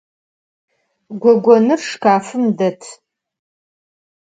Gogonır şşkafım det.